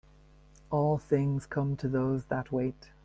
All things come to those that wait.